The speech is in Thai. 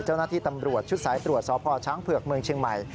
เจ้าหน้าที่ตำรวจชุดสายตรวจสพช้างเผือกเมืองเชียงใหม่